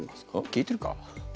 聞いてるか？